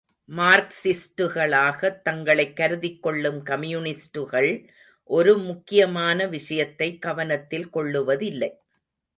மார்க்ஸிஸ்டுகளாகத் தங்களைக் கருதிக் கொள்ளும் கம்யூனிஸ்டுகள் ஒரு முக்கியமான விஷயத்தை கவனத்தில் கொள்ளுவதில்லை.